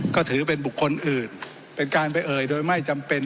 ก็ถือเป็นบุคคลอื่นเป็นการไปเอ่ยโดยไม่จำเป็น